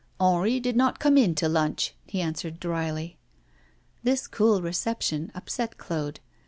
'Henri did not come in to lunch,' he answered drily. This cool reception upset Claude.